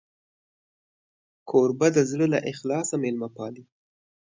کوربه د زړه له اخلاصه میلمه پالي.